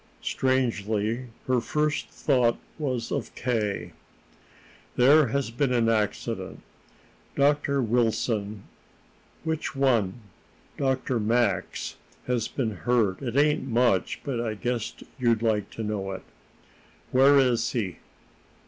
Strangely, her first thought was of K. "There has been an accident. Dr. Wilson " "Which one?" "Dr. Max has been hurt. It ain't much, but I guess you'd like to know it." "Where is he?"